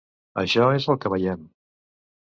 Això és el que veiem.